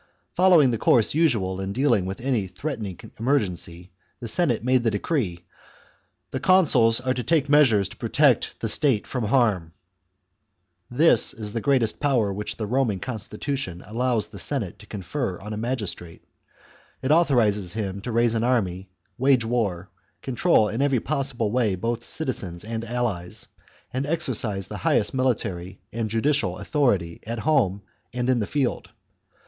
Following the course usual in dealing with any threatening emergency, the Senate made the decree :" The consuls are to take measures to protect the state from harm." This is the great est power which the Roman constitution allows the XXIX THE CONSPIRACY OF CATILINE. 25 Senate to confer on a magistrate. It authorises him to chap. raise an army, wage war, control in every possible way both citizens and allies, and exercise thehighest military and judicial authority at home and in the field.